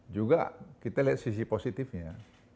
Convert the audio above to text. juga kita lihat sisi positifnya